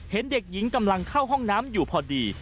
เห็นเด็กหญิงกำลังเข้าห้องน้ำอยู่พอดี